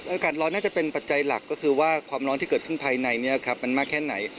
อากาศร้อนน่าจะเป็นปัจจัยหลักก็คือว่าความร้อนที่เกิดขึ้นภายในมันมากแค่ไหน